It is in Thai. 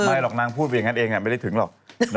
หรอกนางพูดไปอย่างนั้นเองไม่ได้ถึงหรอก